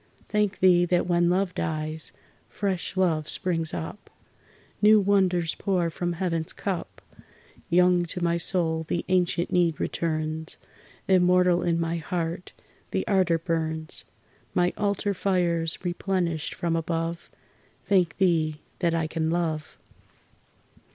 Thank Thee that when love dies, fresh love springs up. New wonders pour from Heaven's cup. Young to my soul the ancient need returns, Immortal in my heart the ardor burns; My altar fires replenished from above Thank Thee that I can love!